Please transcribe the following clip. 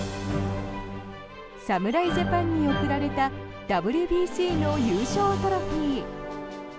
侍ジャパンに贈られたＷＢＣの優勝トロフィー。